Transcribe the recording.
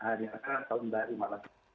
hari ini adalah tahun baru malam